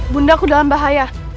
bundaku dalam bahaya